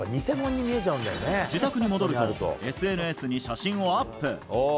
自宅に戻るとＳＮＳに写真をアップ。